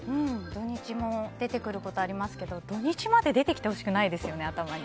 土日も出てくることありますけど土日まで出てきてほしくないですよね、頭に。